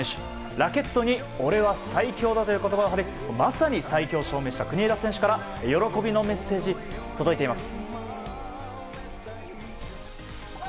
ラケットに俺は最強だという言葉を貼りまさに最強を証明した国枝選手から喜びのメッセージ届いています。